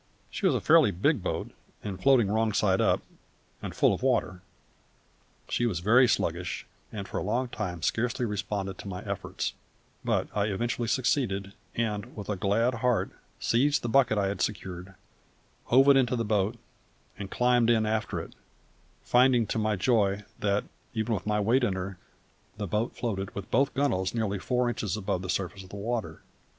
She was a fairly big boat and, floating wrong side up and full of water, she was very sluggish, and for a long time scarcely responded to my efforts; but I eventually succeeded, and, with a glad heart, seized the bucket I had secured, hove it into the boat, and climbed in after it, finding to my joy that, even with my weight in her, the boat floated with both gunwales nearly four inches above the surface of the water.